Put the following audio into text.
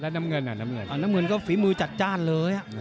น้ำเงินก็ฝีมือจัดจ้านเลย